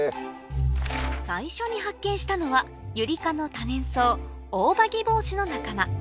最初に発見したのはユリ科の多年草オオバギボウシの仲間